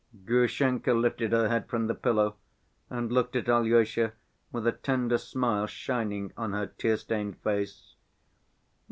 Grushenka lifted her head from the pillow and looked at Alyosha with a tender smile shining on her tear‐stained face.